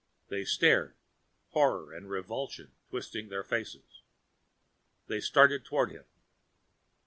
They stared, horror and revulsion twisting their faces. They started toward him.